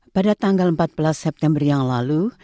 pada tanggal empat belas september yang lalu